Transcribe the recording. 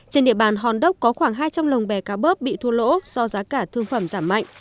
trên địa bàn hòn đốc có khoảng hai trăm linh lồng bè cá bớp bị thua lỗ do giá cả thương phẩm giảm mạnh